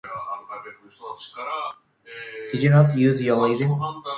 Did you not use your reason?